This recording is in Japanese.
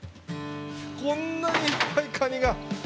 こんなにいっぱいカニが。